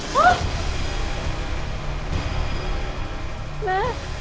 แม่